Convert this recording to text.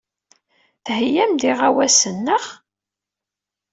Theyyam-d iɣawasen, naɣ?